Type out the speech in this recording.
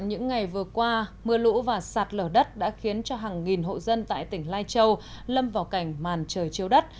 những ngày vừa qua mưa lũ và sạt lở đất đã khiến cho hàng nghìn hộ dân tại tỉnh lai châu lâm vào cảnh màn trời chiếu đất